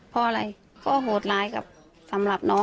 เพราะหน้าก็หดลายสำหรับน้อง